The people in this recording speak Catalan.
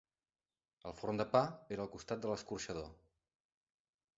El forn de pa era al costat de l'escorxador.